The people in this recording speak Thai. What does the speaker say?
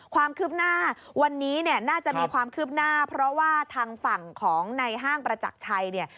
ความคืบหน้าวันนี้เนี่ยน่าจะมีความคืบหน้าเพราะว่าทางฝั่งของในห้างประจักรชัยเนี่ย